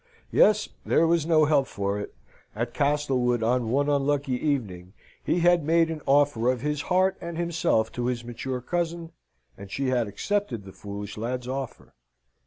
Yes. There was no help for it. At Castlewood, on one unlucky evening, he had made an offer of his heart and himself to his mature cousin, and she had accepted the foolish lad's offer.